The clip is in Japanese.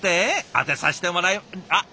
当てさせてもらいあっ！